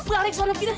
balik suara kita